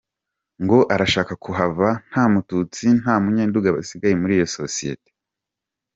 Ngo arashaka kuhava nta mututsi n’umunyenduga basigaye muri iyo sosiyeti.